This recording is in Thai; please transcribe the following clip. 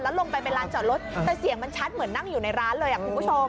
ลงไปเป็นลานจอดรถแต่เสียงมันชัดเหมือนนั่งอยู่ในร้านเลยคุณผู้ชม